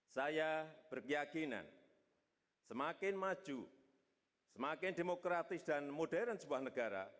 saya berkeyakinan semakin maju semakin demokratis dan modern sebuah negara